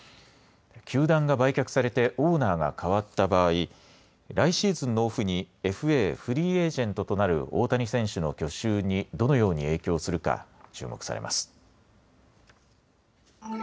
球団が売却されてオーナーが替わった場合、来シーズンのオフにＦＡ・フリーエージェントとなる大谷選手の去就にどのように影響するか注目されます。